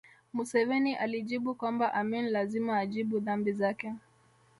Museveni alijibu kwamba Amin lazima ajibu dhambi zake